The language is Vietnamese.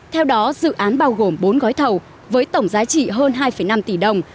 theo đó dự án bao gồm bốn gói thầu với tổng giá trị hơn hai năm tỷ đồng